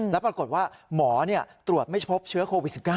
แล้วปรากฏว่าหมอตรวจไม่พบเชื้อโควิด๑๙